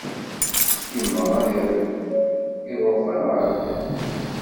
Yemmeɣ ad as-yedlu i llufan ɣer dduḥ.